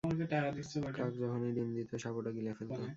কাক যখনই ডিম দিত, সাপ ওটা গিলে ফেলতো।